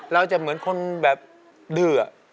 เราจะเหมือนคนแบบดื้อ